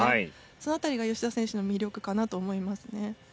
その辺りが吉田選手の魅力かなと思いますね。